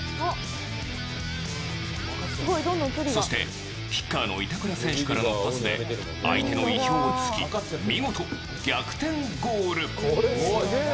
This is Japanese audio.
そして、キッカーの板倉選手からのパスで相手の意表を突き見事、逆転ゴール。